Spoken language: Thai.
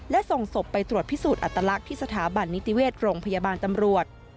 และส่งศพไปตรวจพิสูจน์อัตลักษณ์ที่สถาบันนิติเวชโรงพยาบาลตำรวจ